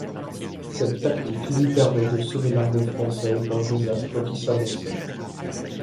Cette tactique lui permet de sauver l'armée française d'un désastre qui s'annonçait.